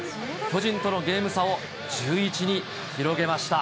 巨人とのゲーム差を１１に広げました。